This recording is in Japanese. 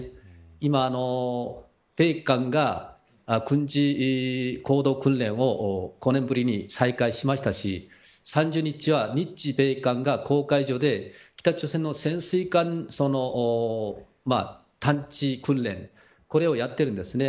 今、米韓が軍事合同訓練を５年ぶりに再開しましたし３０日は日米韓が公海上で北朝鮮の潜水艦探知訓練これをやってるんですね。